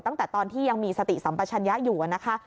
ตั้งแต่ตอนที่ยังมีสติสัมปชัญญะอยู่นะคะ